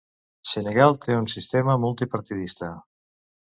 Senegal té un sistema multipartidista.